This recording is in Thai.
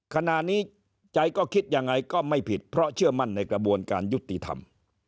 ขณะนี้ใจก็คิดยังไงก็ไม่ผิดเพราะเชื่อมั่นในกระบวนการยุติธรรม